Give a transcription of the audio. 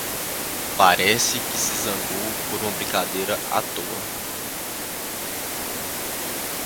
Parece que se zangou por uma brincadeira à toa